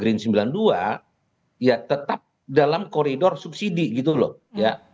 brin sembilan puluh dua ya tetap dalam koridor subsidi gitu loh ya